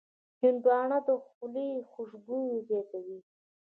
هندوانه د خولې خوشبويي زیاتوي.